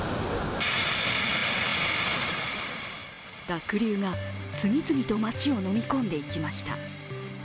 濁流が次々と街をのみ込んでいきました。